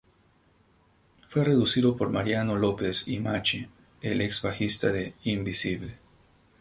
Fue producido por Mariano López y Machi, el ex bajista de Invisible.